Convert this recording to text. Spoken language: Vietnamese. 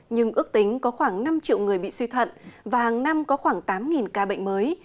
nhưng ước tính có khoảng năm triệu người bị suy thận và hàng năm có khoảng tám ca bệnh mới